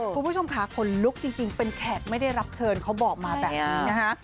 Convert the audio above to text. คุณผู้ชมค่ะขนลุกจริงเป็นแขกไม่ได้รับเชิญเขาบอกมาแบบนี้นะคะ